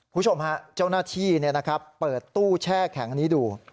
คุณผู้ชมฮะเจ้าหน้าที่เปิดตู้แช่แข็งนี้ดู